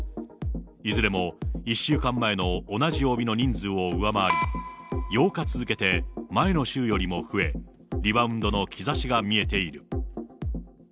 いずれも１週間前の同じ曜日の人数を上回り、８日続けて前の週よりも増え、リバウンドの兆しが見えている。